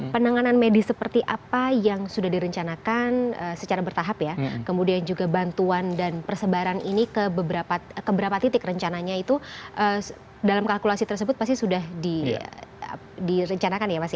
penanganan medis seperti apa yang sudah direncanakan secara bertahap ya kemudian juga bantuan dan persebaran ini ke beberapa titik rencananya itu dalam kalkulasi tersebut pasti sudah direncanakan ya mas ya